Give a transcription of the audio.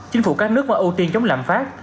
chính phủ các nước vẫn ưu tiên chống làm phát